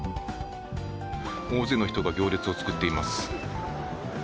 大勢の人が行列を作っています。